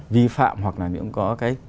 vi phạm hoặc là những cái